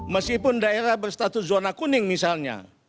meskipun daerah berstatus zona kuning misalnya